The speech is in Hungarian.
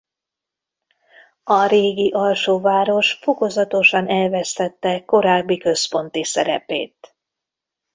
A régi alsóváros fokozatosan elvesztette korábbi központi szerepét.